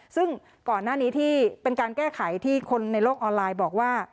ซึ่งก่อนหน้านี้ที่เป็นการแก้ไขที่คนในโลกออนไลน์บอกว่า